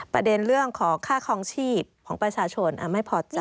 ประเด็นเรื่องของค่าคลองชีพของประชาชนไม่พอใจ